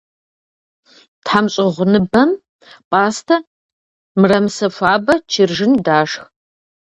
ТхьэмщӀыгъуныбэм пӀастэ, мырамысэ хуабэ, чыржын дашх.